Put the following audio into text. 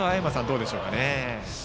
どうでしょう？